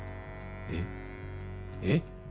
えっ？えっ？